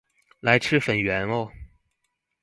來吃粉圓喔